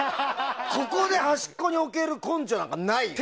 ここで端っこに置ける根性なんかないよ。